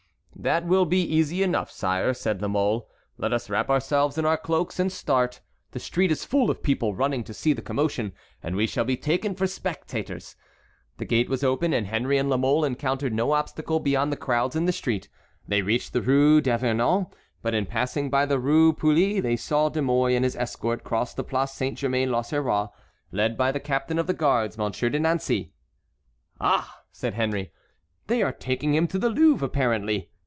"That will be easy enough, sire," said La Mole. "Let us wrap ourselves in our cloaks and start. The street is full of people running to see the commotion, and we shall be taken for spectators." The gate was open and Henry and La Mole encountered no obstacle beyond the crowds in the street. They reached the Rue d'Avernon; but in passing by the Rue Poulies they saw De Mouy and his escort cross the Place Saint Germain l'Auxerrois, led by the captain of the guards, Monsieur de Nancey. "Ah!" said Henry, "they are taking him to the Louvre, apparently.